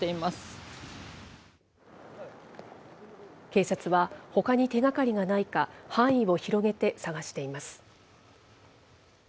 警察は、ほかに手がかりはないか範囲を広げて捜しています。